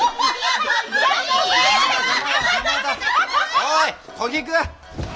おい小菊！